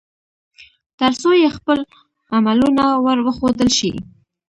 ترڅو يې خپل عملونه ور وښودل شي